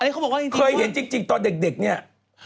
เคยเห็นจริงตอนเด็กเนี่ย